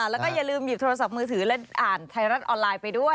แล้วก็อย่าลืมหยิบโทรศัพท์มือถือและอ่านไทยรัฐออนไลน์ไปด้วย